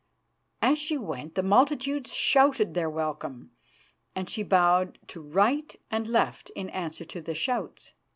As she went the multitudes shouted their welcome, and she bowed to right and left in answer to the shouts.